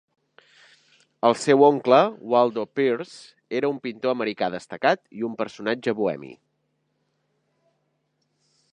El seu oncle, Waldo Peirce, era un pintor americà destacat i un personatge bohemi.